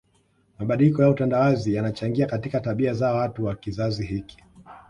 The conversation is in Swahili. Mabadiliko ya utandawazi yanachangia katika tabia za watu wa kizazi hiki